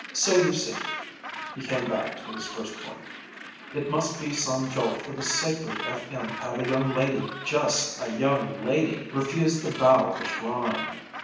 So you see," he came back to his first point, "it must be some jolt for the sacred F.M. to have a young lady, just a young lady, refuse to bow at the shrine.